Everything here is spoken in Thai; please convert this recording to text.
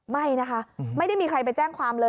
ไม่นะคะไม่ได้มีใครไปแจ้งความเลย